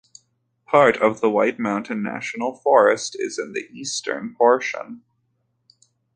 Part of the White Mountain National Forest is in the eastern portion.